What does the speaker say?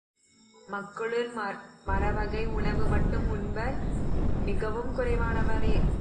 மக்களுள் மரவகை உணவு மட்டும் உண்பவர் மிகவும் குறைவானவரே.